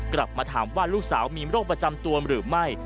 กลับมาถามว่าลูกสาวมีโรคประจำตัวหรือไม่